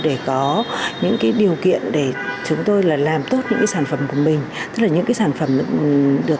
về những chương trình đào tạo